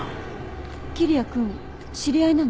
桐矢君知り合いなの？